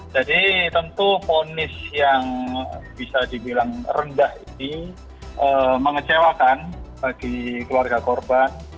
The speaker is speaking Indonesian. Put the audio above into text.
jadi tentu fonis yang bisa dibilang rendah ini mengecewakan bagi keluarga korban